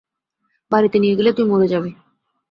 বাড়িতে নিয়ে গেলে তুই মরে যাবি।